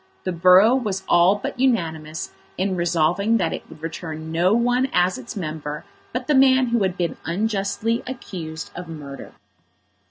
The borough was all but unanimous in resolving that it would return no one as its member but the man who had been unjustly accused of murder.